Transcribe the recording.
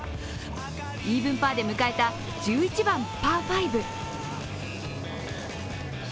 イーブンパーで迎えた１１番パー５。